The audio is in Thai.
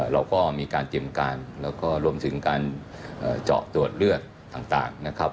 เราก็มีการเตรียมการแล้วก็รวมถึงการเจาะตรวจเลือดต่างนะครับ